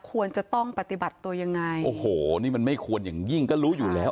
ควรจะต้องปฏิบัติตัวยังไงโอ้โหนี่มันไม่ควรอย่างยิ่งก็รู้อยู่แล้ว